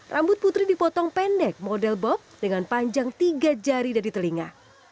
rambut putri dipotong pendek model bob dengan panjang tiga jari dari telinga